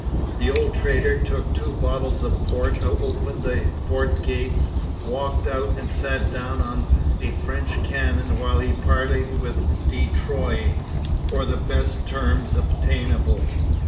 The old trader took two bottles of port, opened the fort gates, walked out and sat down on a French cannon while he parleyed with de Troyes for the best terms obtainable.